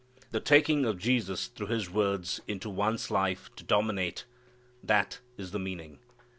The taking of Jesus through His words into one's life to dominate that is the meaning.